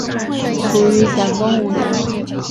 卒于咸丰五年。